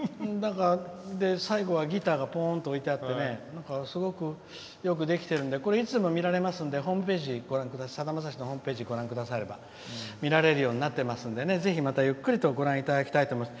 最後はギターがぽんと置いてあってねすごくよくできてるんでこれ、いつでも見られますんでさだまさしのホームページご覧くだされば見られるようになってますんでぜひ、またゆっくりとご覧いただきたいと思います。